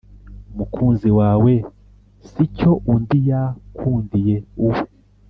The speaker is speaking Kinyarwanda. umukunzi wawe sicyo undi yakundiye uwe,